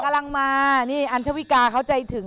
กำลังมานี่อัญชวิกาเขาใจถึง